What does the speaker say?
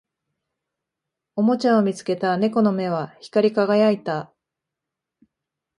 おもちゃを見つけた猫の目は光り輝いた